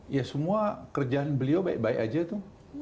ya semua kerjaan beliau baik baik aja tuh